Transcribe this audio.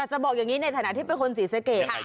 จะบอกอย่างนี้ในฐานะที่เป็นคนศรีสะเกด